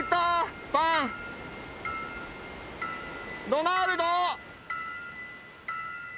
ドナルド。